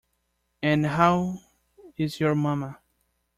And how is your mama?